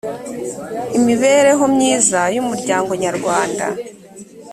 imibereho myiza y umuryango nyarwanda